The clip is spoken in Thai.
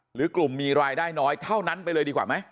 หรือกลุ่มมีรายได้น้อยเท่านั้นไปเลยดีกว่าไหม